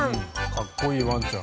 かっこいいワンちゃん。